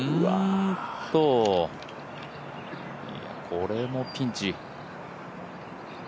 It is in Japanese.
これもピンチ。